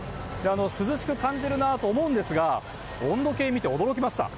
涼しく感じるなと思うんですが温度計見て驚きました。